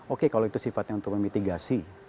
oke kalau itu sifatnya untuk memitigasi